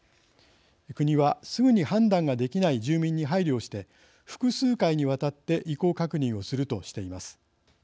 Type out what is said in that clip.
国はすぐに判断ができない住民に配慮をして複数回にわたって意向確認をするとしています。